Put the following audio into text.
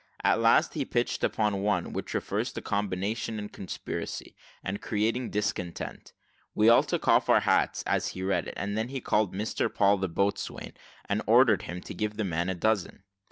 At last he pitched upon the one which refers to combination and conspiracy, and creating discontent. We all took off our hats as he read it, and he then called Mr Paul, the boatswain, and ordered him to give the man a dozen.